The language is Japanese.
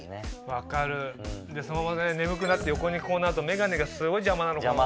分かるでその場で眠くなって横にこうなるとメガネがすごいジャマなの。